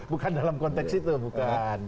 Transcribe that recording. bukan dalam konteks itu bukan